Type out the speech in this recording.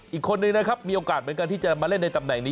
อีกคนนึงนะครับมีโอกาสเหมือนกันที่จะมาเล่นในตำแหน่งนี้